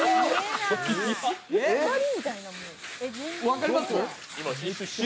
分かります？